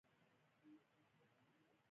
پکتیا د افغان ماشومانو د لوبو موضوع ده.